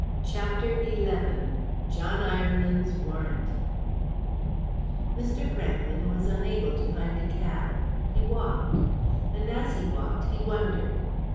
CHAPTER XI JOHN IRELAND'S WARRANT Mr. Franklyn was unable to find a cab. He walked. And as he walked he wondered.